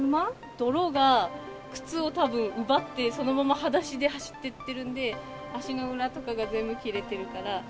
泥が靴をたぶん奪って、そのままはだしで走っていってるんで、足の裏とかが全部切れてるから。